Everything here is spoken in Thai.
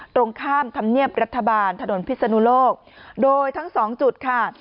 ตรงข้ามธรรมเนียบรัฐบาลถนนพิศนุโลกโดยทั้งสองจุดค่ะ